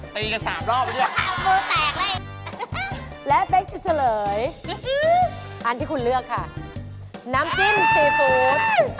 ตีกัน๓รอบอีกแล้วเป๊กจะเฉลยอันที่คุณเลือกค่ะน้ำจิ้มซีฟูท